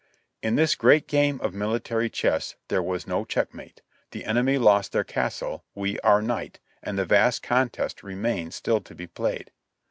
In this great game of military chess there was no checkmate ; the enemy lost their castle; we our knight; and the vast contest remained still to be played.